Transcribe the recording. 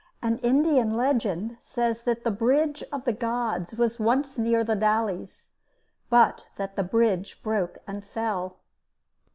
An Indian legend says that the Bridge of the Gods was once near The Dalles, but that the bridge broke and fell.